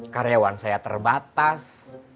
karyawan saya terbatas